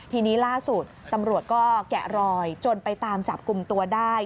ทีนี้ล่าสุดตำรวจก็แกะรอยจนไปตามจับกลุ่มตัวได้